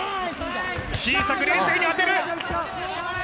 小さく冷静に当てる。